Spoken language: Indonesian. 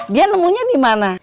dia nemunya dimana